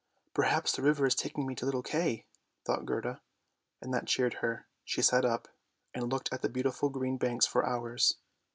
" Perhaps the river is taking me to little Kay," thought Gerda, and that cheered her; she sat up and looked at the beautiful green banks for hours.